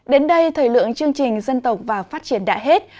đến đây thời lượng chương trình dân tộc và phát triển đã hết